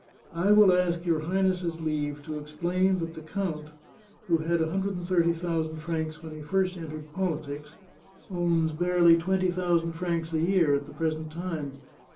I will ask your Highness's leave to explain that the count, who had a hundred and thirty thou sand francs when he first entered politics, owns barely twenty thousand francs a year at the present time.